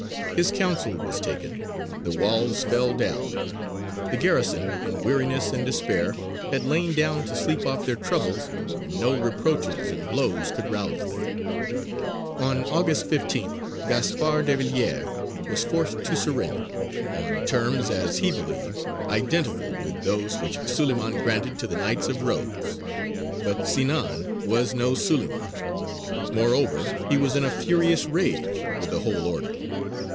His counsel was taken; the walls fell down; the garrison, in weariness and despair, had lain down to sleep off their troubles, and no reproaches and blows could rouse them. On August 15th Gaspard de Villiers was forced to surrender, on terms, as he believed, identical with those which Suleymān granted to the Knights of Rhodes. But Sinān was no Suleymān; moreover, he was in a furious rage with the whole Order.